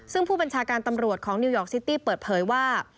ซึ่งผู้บัญชาการตำรวจของนิวยอร์กซิตี้เปิดเผยว่า